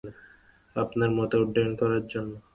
আপনার মতো উড্ডয়ন করার জন্য?